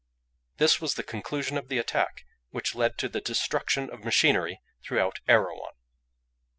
This was the conclusion of the attack which led to the destruction of machinery throughout Erewhon.